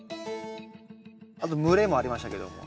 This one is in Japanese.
あと蒸れもありましたけども。